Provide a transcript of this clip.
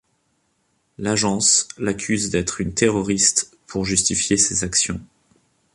L'Agence l'accuse d'être une terroriste pour justifier ses actions.